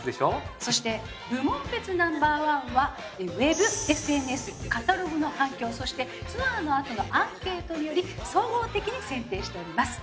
そして部門別ナンバー１はウェブＳＮＳカタログの反響そしてツアーのあとのアンケートにより総合的に選定しております。